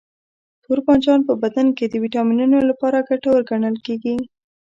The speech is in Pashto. توربانجان په بدن کې د ویټامینونو لپاره ګټور ګڼل کېږي.